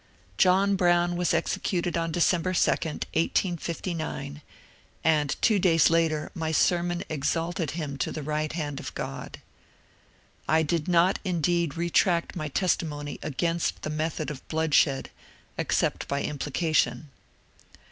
John Brown was executed on Decem ber 2, 1859, and two days later my sermon exalted him to the right band of God. I did not indeed retract my testimony against the method of bloodshed except by implication.